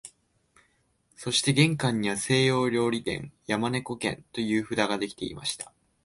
そして玄関には西洋料理店、山猫軒という札がでていました